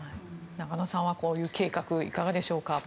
中野さんはこういう計画いかがでしょうか。